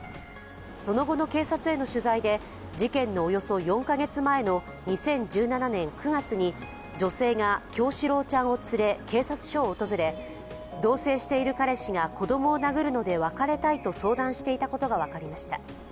その後の警察への取材で事件のおよそ４カ月前の２０１７年９月に女性が叶志郎ちゃんを連れ、警察署を訪れ同せいしている彼氏が子供を殴るので別れたいと相談していたことが分かりました。